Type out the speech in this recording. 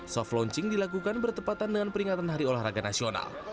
soft launching dilakukan bertepatan dengan peringatan hari olahraga nasional